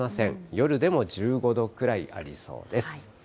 夜でも１５度くらいありそうです。